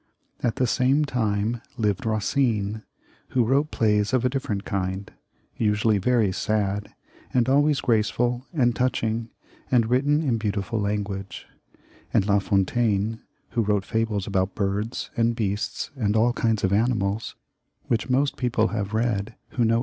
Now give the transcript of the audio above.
At the same time lived Eacine, who wrote plays of a different kind, usually very sad, and always graceful and touching, and written in beautiful language ; and La Fon taine, who wrote fables about birds and beasts and all kinds of animals, which most people have read who know XLiv.